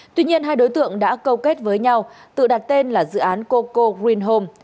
tuy nhiên hai đối tượng đã câu kết với nhau tự đặt tên là dự án coco green home